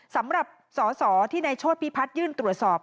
สำหรับสอสอที่ในโชธพิพัฒน์ยื่นตรวจสอบ